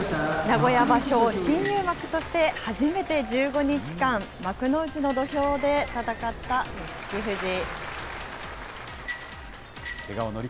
名古屋場所、新入幕として初めて１５日間、幕内の土俵で戦った錦富士。